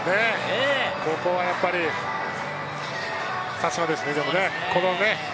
ここは、やっぱりさすがですね。